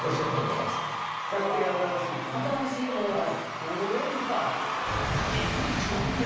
新しい方です。